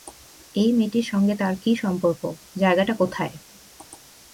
এই মেয়েটির সঙ্গে তার কী সম্পর্ক, জায়গাটা কোথায়?